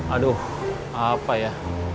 aduh apa ya